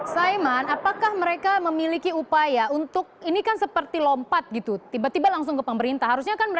saiman apakah mereka memiliki upaya untuk ini kan seperti lompat gitu tiba tiba langsung ke pemerintah